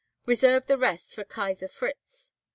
Reserve the rest for Kaisar Fritz."